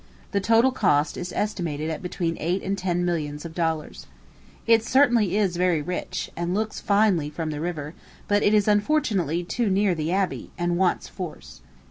The total cost is estimated at between eight and ten millions of dollars. It certainly is very rich, and looks finely from the river; but it is unfortunately too near to the abbey, and wants force.